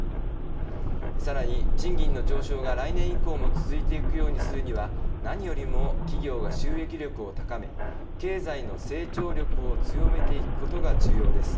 さらに、賃金の上昇が来年以降も続いていくようにするには何よりも企業が収益力を高め経済の成長力を強めていくことが重要です。